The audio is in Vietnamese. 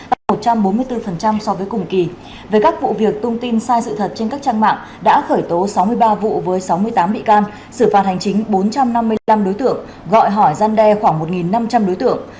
tăng một trăm bốn mươi bốn so với cùng kỳ về các vụ việc tung tin sai sự thật trên các trang mạng đã khởi tố sáu mươi ba vụ với sáu mươi tám bị can xử phạt hành chính bốn trăm năm mươi năm đối tượng gọi hỏi gian đe khoảng một năm trăm linh đối tượng